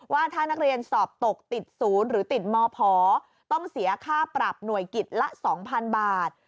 ว่าถ้านักเรียนสอบตกติดศูนย์หรือติดมพต้องเสียค่าปรับหน่วยกิจละ๒๐๐๐บาท